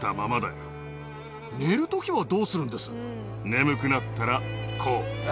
眠くなったらこう。